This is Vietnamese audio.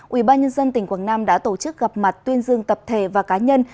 ubnd tỉnh quảng nam đã tổ chức gặp mặt tuyên dương tập thể và cá nhân